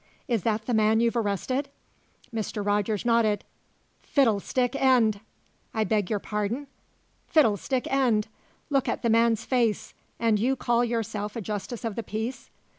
"Is that the man you've arrested?" Mr. Rogers nodded. "Fiddlestick end!" "I beg your pardon?" "Fiddlestick end! Look at the man's face. And you call yourself a justice of the peace?"